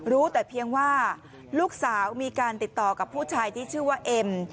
รู้แต่เพียงว่าลูกสาวมีการติดต่อกับผู้ชายที่ชื่อว่าเอ็ม